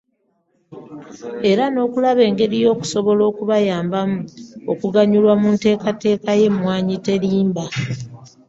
Era n'okulaba engeri gy'asobola okubayambamu okuganyulwa mu nteekateeka y'Emmwannyi Terimba.